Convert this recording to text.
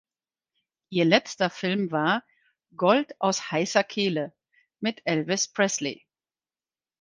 Ihr letzter Film war "Gold aus heißer Kehle" mit Elvis Presley.